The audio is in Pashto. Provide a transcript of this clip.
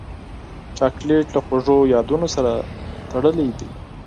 چاکلېټ له خوږو یادونو سره تړلی دی.